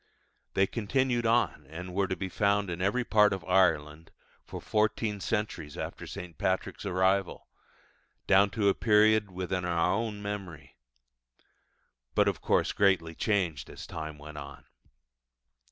They continued on, and were to be found in every part of Ireland for fourteen centuries after St. Patrick's arrival, down to a period within our own memory; but of course greatly changed as time went on.